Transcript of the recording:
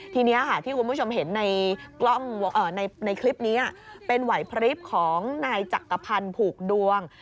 ทีนี้ค่ะที่คุณผู้ชมเห็นในคลิปนี้เป็นไหวพริบของนายจักรพันธ์ผูกดวง